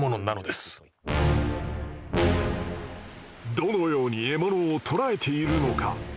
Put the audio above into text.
どのように獲物を捕らえているのか？